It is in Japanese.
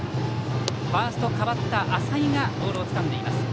ファースト、代わった浅井がボールをつかみました。